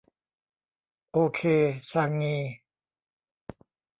โอเค ชางงี !